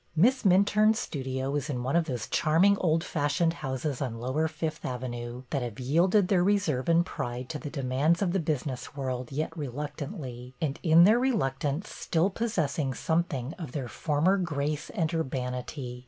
Miss Minturne's studio was in one of those charming old fashioned houses on lower Fifth Avenue that have yielded their reserve and pride to the demands of the business world, yet reluc tantly, and in their reluctance still possessing something of their former grace and urbanity.